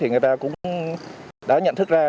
thì người ta cũng đã nhận thức ra